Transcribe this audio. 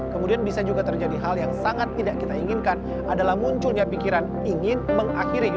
kemudian bisa juga terjadi hal yang sangat tidak kita inginkan adalah munculnya pikiran ingin mengakhiri